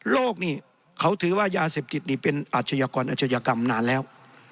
นี่เขาถือว่ายาเสพติดนี่เป็นอาชญากรอัชยกรรมนานแล้ว